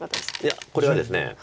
いやこれはですね